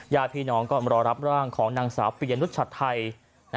เนื้อพี่น้องรอรับร่างของนางสาวเปียรุกชัดไทย